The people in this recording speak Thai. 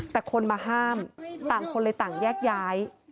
แต่คนมาห้ามต่างคนเลยต่างแยกย้าย